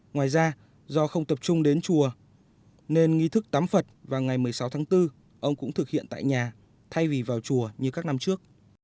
ngoài ra do không tập trung đến chùa nên nghi thức tắm phật và ngày một mươi sáu tháng bốn ông cũng thực hiện tại nhà thay vì vào chùa như các năm trước